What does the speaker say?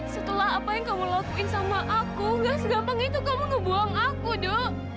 setelah apa yang kamu lakuin sama aku gak segampang itu kamu ngebuang aku dok